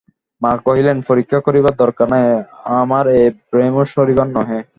মা কহিলেন, পরীক্ষা করিবার দরকার নাই, আমার এ ব্যামো সারিবার নহে।